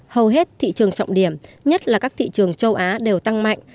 hầu hết thị trường trọng điểm nhất là các thị trường châu á đều tăng mạnh